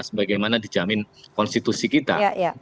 sebagaimana dijamin konstitusi kita